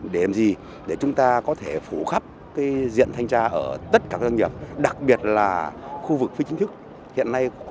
để làm gì để chúng ta có thể phủ khắp diện thanh tra ở tất cả các doanh nghiệp đặc biệt là khu vực phí chính thức